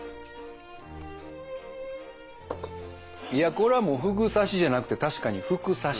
いやこれはもう「ふぐ刺し」じゃなくて確かに「ふく刺し」。